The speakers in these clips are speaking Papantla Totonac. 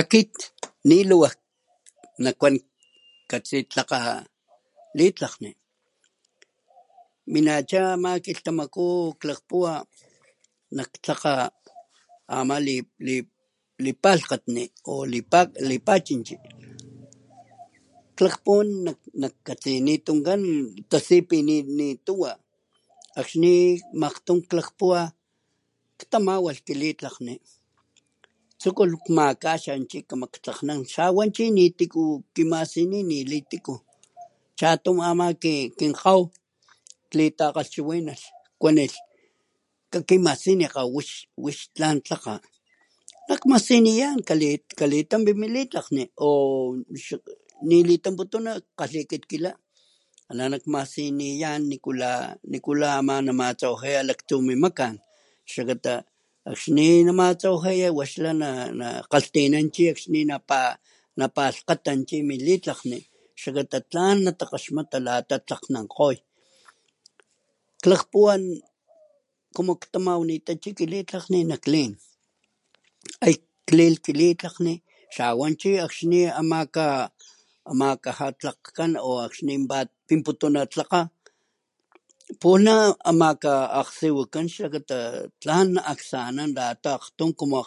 Akit lin lhuwa katsi tlakga litlakgni minacha ama kilhtamaku klakpuwa nak tlakga ama lipalhkgatni o lipanchinchi klakpuwan nak katsini tunkan tasi pi nituwa akxni makgtun klakpuwa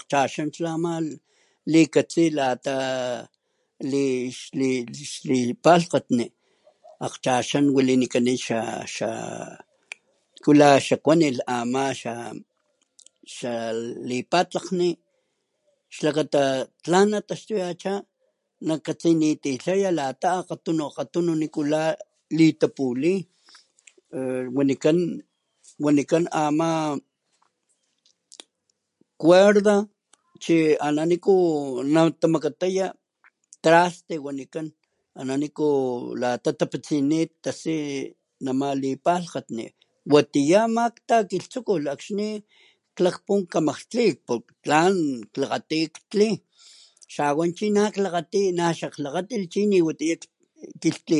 ktamawalh kilitlakgni xawa chi niwi tiku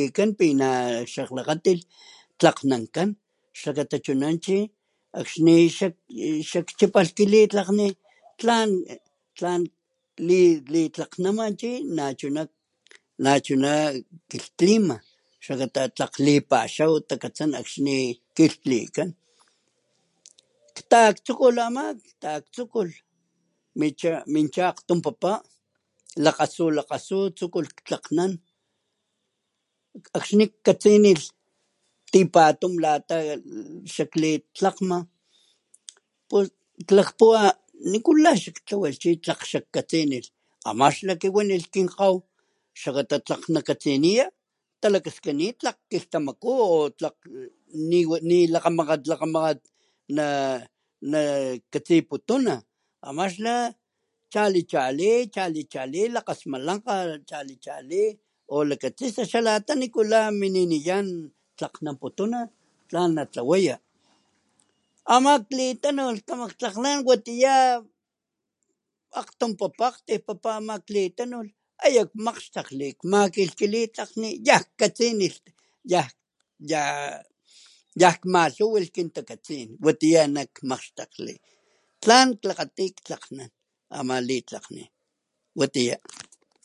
nakumasini chu niliy tiku natuwa ama kinkgaw klitakgalhchiwinalh milh kakimasini kgaw wix tlan tlakga nak masiniyan kalitanpi militlakgni o nilitamputuna kila ana kmasiniyan nikula nama nmatsawajiya nam laktsu mimakan xlakata akxni namatsawajiya waxla nakgalhtinana chi akxni chi napalhkgata chi militlakgni lata tlan nakgaxmata natlakgnankgoy klakpuwan ktuku ktamawanita chi kilitlakgni ninakklin hay klin kilitlakgni tlawan chi akxni amakaja ka tlakgkan o akxni pat pintuna tlakga pula amaka akgsiwikan xlakata tlan nakasanan ata akgtun como akgchaxan aman likatsi lata xlipalhkatni akgchaxan walinikan xaxa nikula xaxa kuanilh ama xa lipatlakgni xlakata tlan nataxtuyacha nakatsinititlaya akgatunu akgatunu lata litapuli wanikan ama cuerda ana niku natamakataya traste wanikan ana niku tapitsinin nama lipalhkgatni watiya ama klakpuwa kama tliy tlan klakgati tli xawan nak xaklakgati klakgatilh chi niwatiya kilhtlikan xakklakgatilh tlalkanankan xlakata chuna chi akxni chi chikchapalh kilitlakgni tlan tlan klitlakgnanan nama chi nachuna kilhtlima xlakata tlakg lipaxaw katsana akxni kilhtlikan taaktsukulh ama mincha akgtun papa lakgasut lakgasut tsukulh tlakgnan akxni katsinilh tipatuy lata jae xakg litlakgma klakpuwa nikula chi xiktlwalh katsinilh nakiwanilh kin kgaw tatsakg nakatsiniya lakaskini lakgkilhtamaku oooo nilakgamakgat lakgamakgat nakatsiputuna ama xla chali chali chali laksmalankgan lakchali o lakatsisa lata nikula mininiyan tlakgananputuna tlan natlawaya ama klitanulh kamatlakgnanan watiya akgtun papa akgtuy papa ama klitanulh uyu kmakgxtakgli uyu makilh kilitlakgni yan katsinilh yan kmalhuwilh kintakatsin watiya ana kmakgxtakgli lan klakgati tlankgnana ama litlakgni watiya.